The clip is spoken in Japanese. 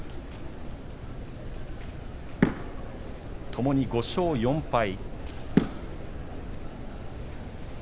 ともに５勝４敗。